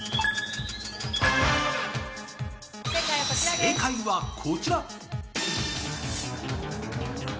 正解はこちら。